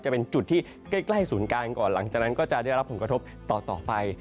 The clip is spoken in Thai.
จะเป็นจุดที่ใกล้ศูนย์กลางก่อนหลังจากนั้นก็จะได้รับผลกระทบต่อไป